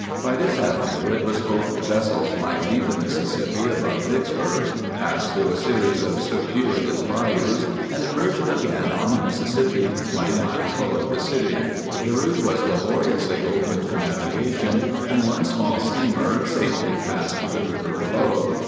By this avenue it was hoped vessels might leave the Mississippi above Vicksburg, pass through a series of circuitous bayous and emerge again on the Mississippi 20 miles below the city. The route was laboriously opened for navigation and one small steamer safely passed to the river below.